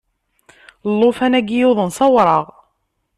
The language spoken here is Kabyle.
Llufan-agi yuḍen sawraɣ.